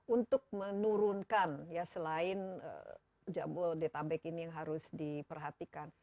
untuk menurunkan ya selain jabodetabek ini yang harus diperhatikan